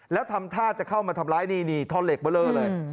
แล้วทำท่าจะเข้ามาทำร้ายนี่ท่อนเหล็กเบอร์เลอร์เลย